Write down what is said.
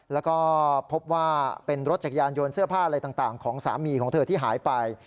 แล้วก็พบว่าเป็นรถจักรยานยนต์เสื้อผ้าอะไรต่างของสามีของเธอที่หายไป